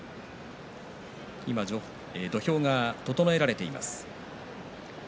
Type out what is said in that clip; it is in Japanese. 土俵が整えられています。